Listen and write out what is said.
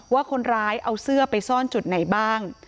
ว่าคนร้ายเอาเสื้อไปซ่อนจุดไหนบ้าง